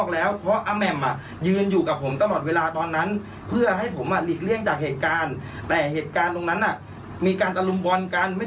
และเล่าให้รู้จักกัน